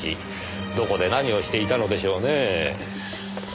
どこで何をしていたのでしょうね？